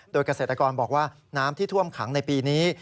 โดยเกษตรกรบอกว่าน้ำที่ท่วมขังในปีนี้